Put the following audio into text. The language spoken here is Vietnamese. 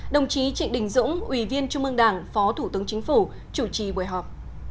đồng chí trịnh đình dũng ủy viên trung ương đảng phó thủ tướng chính phủ chủ trì buổi họp